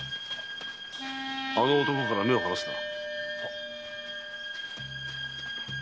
あの男から目を離すな。